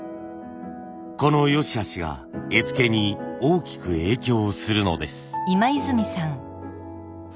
この良しあしが絵付けに大きく影響するのです。